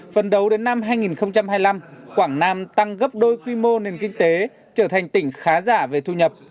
phần đầu đến năm hai nghìn hai mươi năm quảng nam tăng gấp đôi quy mô nền kinh tế trở thành tỉnh khá giả về thu nhập